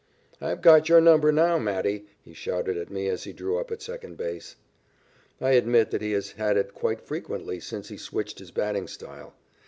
"I've got your number now, Matty!" he shouted at me as he drew up at second base. I admit that he has had it quite frequently since he switched his batting style.